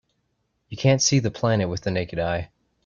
You can't see the planet with the naked eye.